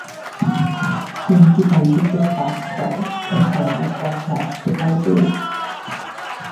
তুমি কি কাল বিকেল পাঁচটায় একবার আমার কাছে আসতে পারবে?